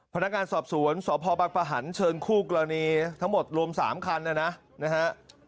พนักการสอบศูนย์สอบพปรักษ์ประหันฯเชิญคู่กรณีทั้งหมดรวม๓คันนะนะครับ